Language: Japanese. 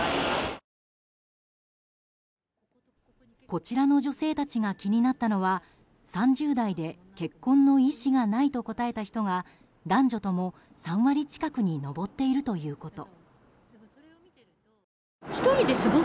こちらの女性たちが気になったのは３０代で結婚の意思がないと答えた人が男女とも３割近くに上っているということ。